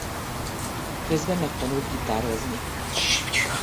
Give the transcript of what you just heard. Közben megtanult gitározni.